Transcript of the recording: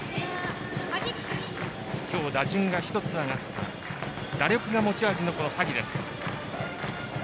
今日打順が１つ上がった打力が持ち味の萩。